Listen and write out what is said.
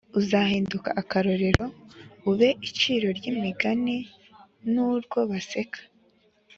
uzahinduka akarorero, ube iciro ry’imigani, n’urwo baseka.